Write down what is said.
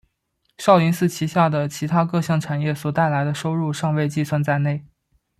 少林寺旗下的其它各项产业所带来的收入尚未计算在内。